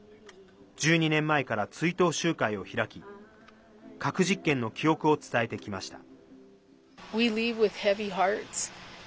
１２年前から追悼集会を開き核実験の記憶を伝えてきました。